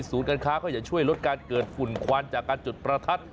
การค้าก็จะช่วยลดการเกิดฝุ่นควันจากการจุดประทัด